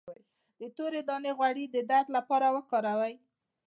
د تورې دانې غوړي د درد لپاره وکاروئ